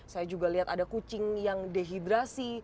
saya juga lihat ada kucing yang dehidrasi